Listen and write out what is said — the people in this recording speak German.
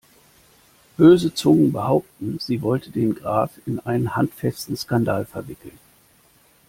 Böse Zungen behaupten, sie wollte den Graf in einen handfesten Skandal verwickeln.